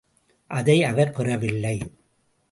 அதை அவர் பெறவில்லை.